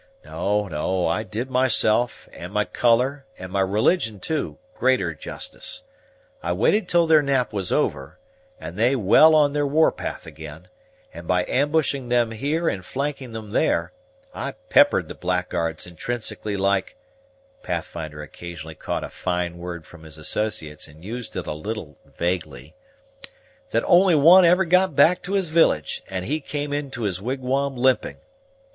No, no, I did myself, and my color, and my religion too, greater justice. I waited till their nap was over, and they well on their war path again; and, by ambushing them here and flanking them there, I peppered the blackguards intrinsically like" (Pathfinder occasionally caught a fine word from his associates, and used it a little vaguely), "that only one ever got back to his village, and he came into his wigwam limping.